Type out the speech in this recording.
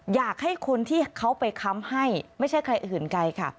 อยากให้คนที่เขาไปค้ำให้ไม่ใช่ใครอื่นไกลค่ะ